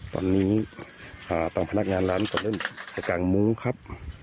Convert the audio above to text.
ตอนนี้ทางพนักงานร้านก็เริ่มจะกางมุ้งครับ